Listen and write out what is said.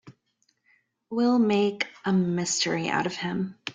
We'll make a mystery out of him.